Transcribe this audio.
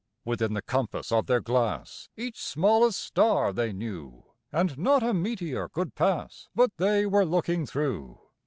Within the compass of their glass Each smallest star they knew, And not a meteor could pass But they were looking through.